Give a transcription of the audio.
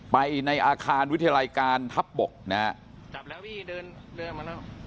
ไปในอาคารวิทยาลัยการภัพร์บกนะฮะ